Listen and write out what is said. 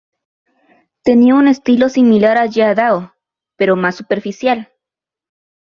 Tenía un estilo similar a Jia Dao, pero más superficial.